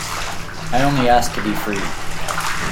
I only ask to be free.